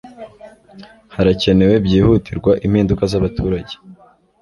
harakenewe byihutirwa impinduka zabaturage